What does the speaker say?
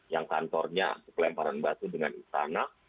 yang kantornya pelemparan batu dengan istana